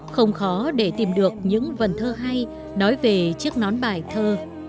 không khó để tìm được những vần thơ hay nói về chiếc nón bài thơ